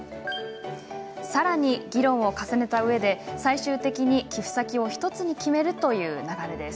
さらに議論を重ねたうえで最終的に寄付先を１つに決めるという流れです。